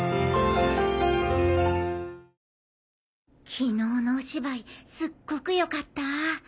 昨日のお芝居すっごくよかった。